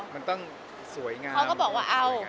เขาก็บอกว่าเอา